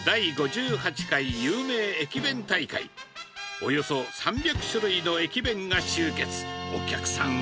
およそ３００種類の駅弁が集結。